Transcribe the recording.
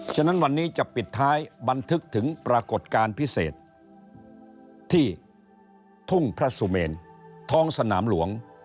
ฉะนั้นวันนี้จะปิดท้ายบันทึกถึงปรากฏการณ์พิเศษที่ทุ่งพระสุเมนท้องสนามหลวง